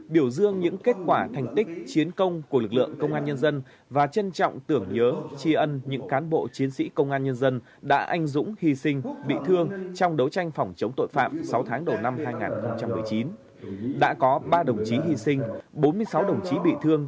biểu dương những kết quả thành tích chiến công của lực lượng